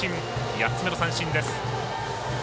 ８つ目の三振です。